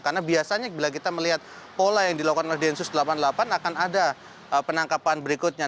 karena biasanya bila kita melihat pola yang dilakukan oleh densus delapan puluh delapan akan ada penangkapan berikutnya